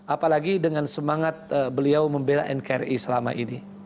apalagi dengan semangat beliau membela nkri selama ini